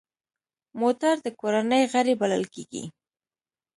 موټر د کورنۍ غړی بلل کېږي.